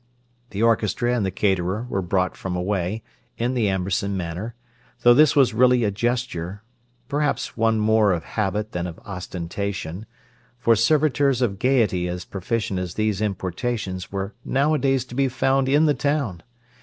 The orchestra and the caterer were brought from away, in the Amberson manner, though this was really a gesture—perhaps one more of habit than of ostentation—for servitors of gaiety as proficient as these importations were nowadays to be found in the town.